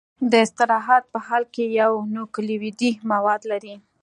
د استراحت په حال کې یو نوکلوئیدي مواد لري.